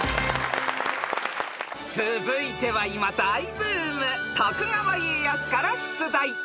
［続いては今大ブーム徳川家康から出題］